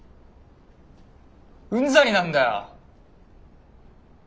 うんざりなんだよ。